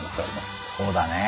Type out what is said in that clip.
そうだね。